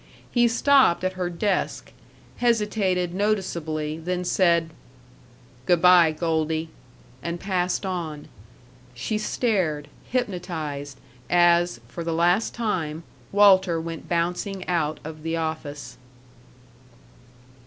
He stopped at her desk, hesitated noticeably, then said, "Good by, Goldie," and passed on. She stared, hypnotized, as, for the last time, Walter went bouncing out of the office.